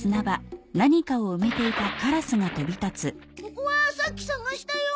ここはさっき捜したよ。